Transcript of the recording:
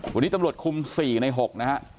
วันนี้ตำรวจคุม๔ใน๖นะฮะ